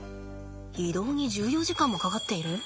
移動に１４時間もかかっている。